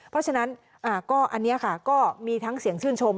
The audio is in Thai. เพราะฉะนั้นอันนี้ค่ะก็มีทั้งเสียงชื่นชม